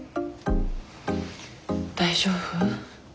大丈夫？